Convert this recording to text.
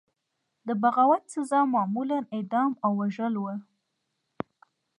د بغاوت سزا معمولا اعدام او وژل وو.